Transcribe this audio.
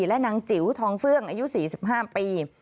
และนางจิ๋วทองเฟื่องอายุ๔๕ปี